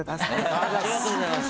ありがとうございます！